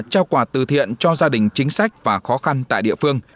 trao quà từ thiện cho gia đình chính sách và khó khăn tại địa phương